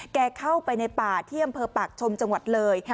เข้าไปในป่าที่อำเภอปากชมจังหวัดเลย